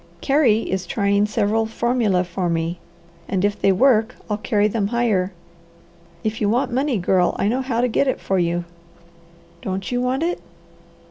Carey is trying several formulae for me, and if they work I'll carry them higher. If you want money, Girl, I know how to get it for you." "Don't you want it?"